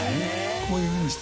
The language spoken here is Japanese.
こういうふうにして。